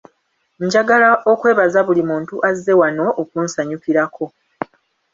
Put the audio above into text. Njagala okwebaza buli muntu azze wano okunsanyukirako.